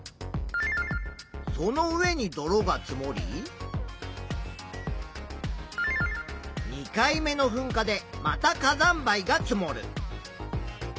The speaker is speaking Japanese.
その上に泥が積もり２回目のふんかでまた火山灰が積もる。